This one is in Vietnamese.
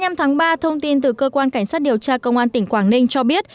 ngày hai mươi năm tháng ba thông tin từ cơ quan cảnh sát điều tra công an tỉnh quảng ninh cho biết